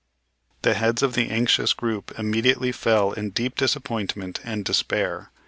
The heads of the anxious group immediately fell in deep disappointment and despair.